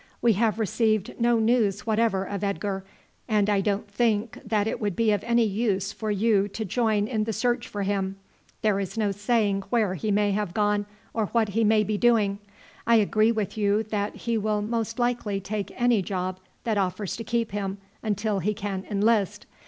"We have received no news whatever of Edgar, and I don't think that it would be of any use for you to join in the search for him. There is no saying where he may have gone or what he may be doing. I agree with you that he will most likely take any job that offers to keep him until he can enlist.